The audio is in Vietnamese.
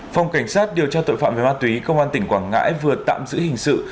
phòng cảnh sát điều tra tội phạm về ma túy công an tỉnh quảng ngãi vừa tạm giữ hình sự